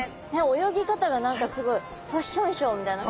泳ぎ方が何かすごいファッションショーみたいな感じ。